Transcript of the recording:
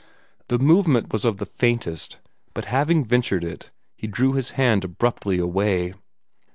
The movement was of the faintest, but having ventured it, he drew his hand abruptly away.